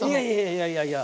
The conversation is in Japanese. いやいやいや。